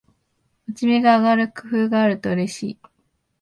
モチベが上がる工夫があるとうれしい